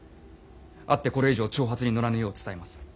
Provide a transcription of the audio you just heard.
会ってこれ以上挑発に乗らぬよう伝えます。